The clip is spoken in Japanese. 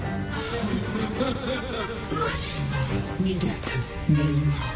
おしまい逃げてみんな。